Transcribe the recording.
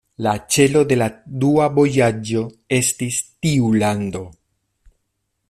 La celo de la dua vojaĝo estis tiu lando.